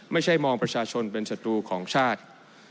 ไม่ใช่มองประชาชนเป็นศัตรูของชาติ